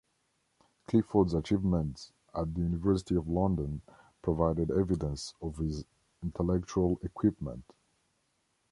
Clifford's achievements at the University of London provided evidence of his intellectual equipment.